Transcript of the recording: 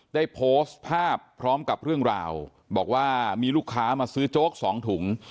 ได้โพสต์ภาพพร้อมกับเรื่องราวบอกว่ามีลูกค้ามาซื้อโจ๊กสองถุง